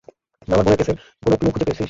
আমার বোনের কেসের কোনো ক্লু খুঁজে পেয়েছিস?